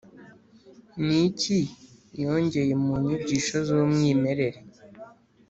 ni iki yongeye mu nyigisho z’umwimerere